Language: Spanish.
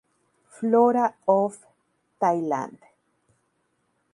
Flora of Thailand.